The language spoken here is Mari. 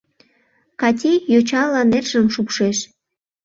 — Кати йочала нержым шупшеш.